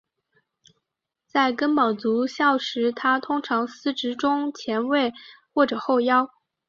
在根宝足校时他通常司职中前卫或者后腰。